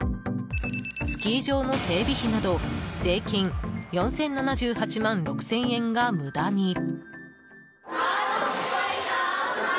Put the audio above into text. スキー場の整備費など、税金４０７８万６０００円が無駄に。